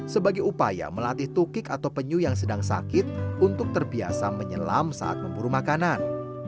sebagai upaya melatih tukik atau penyu yang sedang sakit untuk terbiasa menyelam saat memburu makanan